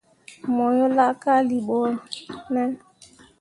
Mo yo laakalii ɓo ne ?